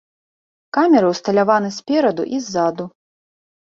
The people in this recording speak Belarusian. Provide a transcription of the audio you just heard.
Камеры ўсталяваны спераду і ззаду.